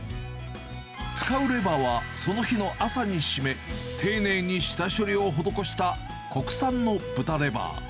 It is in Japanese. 使うレバーは、その日の朝にしめ、丁寧に下処理を施した国産の豚レバー。